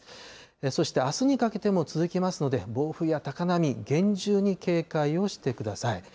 そしてあすにかけても続きますので、暴風や高波、厳重に警戒をしてください。